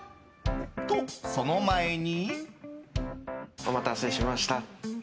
と、その前に。